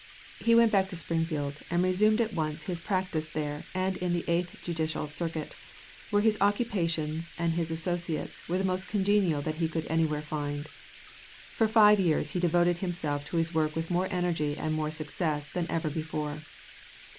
He went back to Springfield, and resumed at once his practice there and in the Eighth Judicial Circuit, where his occupations and his associates were the most congenial that he could anywhere find. For five years he devoted himself to his work with more energy and more success than ever before.